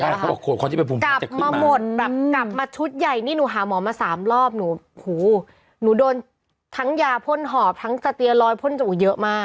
อ๋อใช่เขาบอกคนที่ไปภูมิแพ้จะขึ้นมาอ๋อใช่เขาบอกคนที่ไปภูมิแพ้จะขึ้นมา